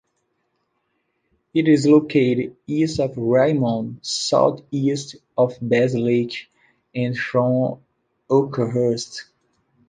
It is located east of Raymond, south east of Bass Lake and from Oakhurst.